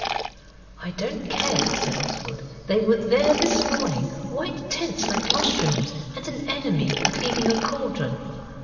'I don't care,' said Oswald, 'they were there this morning. White tents like mushrooms, and an enemy cleaning a cauldron.